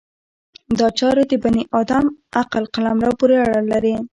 دا چارې د بني ادم عقل قلمرو پورې اړه لري.